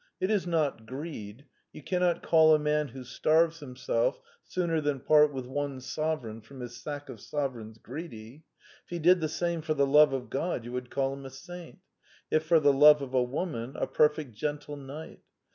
It is not greed: you cannot call a man who starves. him self sooner than part with one sovereign from his sack of sovereigns, greedy. If he did the same for the love of God, you would call him a saint: if for the love of a woman, a perfect gentle knight.